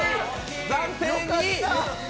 暫定２位！